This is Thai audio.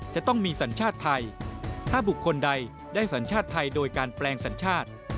จะต้องมีสัญชาติไทยถ้าบุคคลใดได้สัญชาติไทยโดยการแปลงสัญชาติ